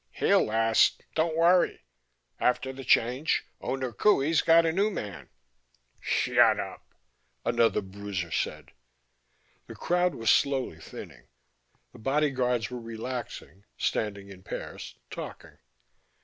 "He'll last; don't worry. After the Change, Owner Qohey's got a newman " "Shut up," another bruiser said. The crowd was slowly thinning. The bodyguards were relaxing, standing in pairs, talking.